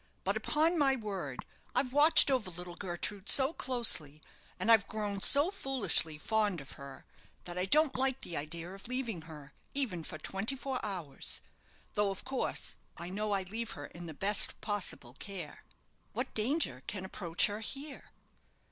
But, upon my word, I've watched over little Gertrude so closely, and I've grown so foolishly fond of her, that I don't like the idea of leaving her, even for twenty four hours, though, of course, I know I leave her in the best possible care." "What danger can approach her here?"